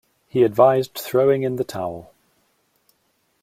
He advised throwing in the towel.